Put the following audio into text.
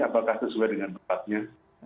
apakah sesuai dengan kepatnya